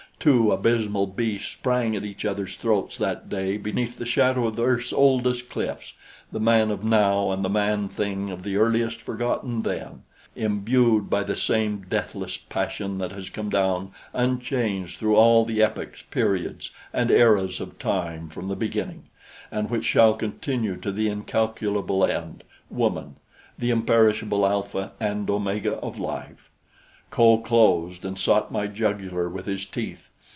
Two abysmal beasts sprang at each other's throats that day beneath the shadow of earth's oldest cliffs the man of now and the man thing of the earliest, forgotten then, imbued by the same deathless passion that has come down unchanged through all the epochs, periods and eras of time from the beginning, and which shall continue to the incalculable end woman, the imperishable Alpha and Omega of life. Kho closed and sought my jugular with his teeth.